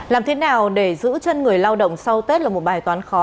làm thế nào để giữ chân người lao động sau tết là một bài toán khó